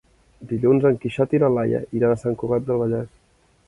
Dilluns en Quixot i na Laia iran a Sant Cugat del Vallès.